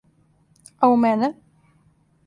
А у мене?